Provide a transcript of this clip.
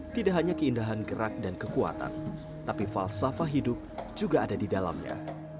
tidak hanya keindahan gerak dan kekuatan tapi falsafah hidup juga ada di dalamnya